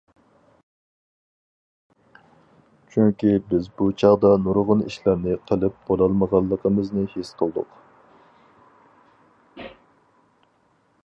چۈنكى بىز بۇ چاغدا نۇرغۇن ئىشلارنى قىلىپ بولالمىغانلىقىمىزنى ھېس قىلدۇق.